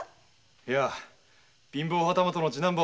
いや貧乏旗本の次男坊。